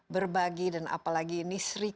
berbagi dan apalagi ini